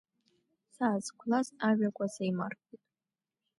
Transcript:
Саазқәлаз ажәақәа сеимаркуеит…